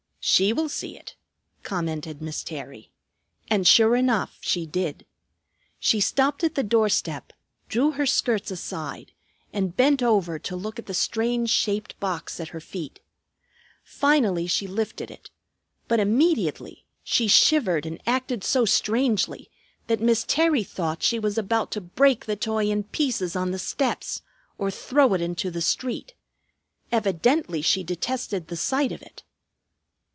"She will see it," commented Miss Terry. And sure enough, she did. She stopped at the doorstep, drew her skirts aside, and bent over to look at the strange shaped box at her feet. Finally she lifted it But immediately she shivered and acted so strangely that Miss Terry thought she was about to break the toy in pieces on the steps or throw it into the street. Evidently she detested the sight of it.